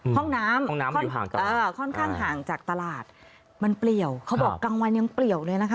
ห้องน้ำห้องน้ำค่อนข้างห่างจากตลาดมันเปลี่ยวเขาบอกกลางวันยังเปลี่ยวเลยนะคะ